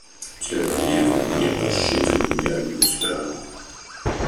Терроризм не пощадил ни одну страну.